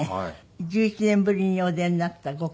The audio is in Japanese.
１１年ぶりにお出になったご感想。